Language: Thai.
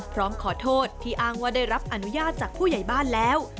พร้อมขอโทษที่อ้างว่าได้รับอนุญาตจากผู้ใหญ่บ้านแล้ว